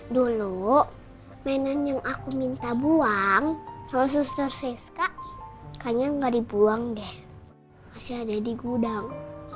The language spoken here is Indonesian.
dulu mainan yang aku minta buang sama suster seska kayaknya nggak dibuang deh masih ada di gudang